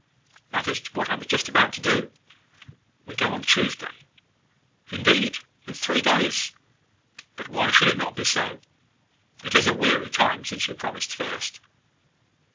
"That is what I was just about to do. We go on Tuesday." "Indeed! in three days! But why should it not be so? It is a weary time since you promised first."